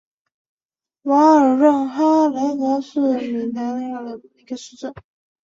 瓦尔任阿雷格里是巴西米纳斯吉拉斯州的一个市镇。